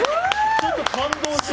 ちょっと感動した。